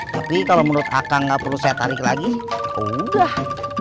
tapi kalau menurut aka nggak perlu saya tarik lagi udah